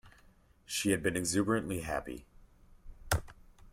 She had been exuberantly happy.